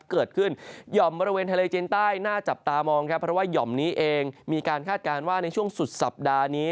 หย่อมบริเวณทะเลจีนใต้น่าจับตามองครับเพราะว่าห่อมนี้เองมีการคาดการณ์ว่าในช่วงสุดสัปดาห์นี้